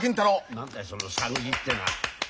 何だいその「さぐり」ってのは。